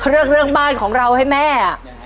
เขาเลือกเรื่องบ้านของเราให้แม่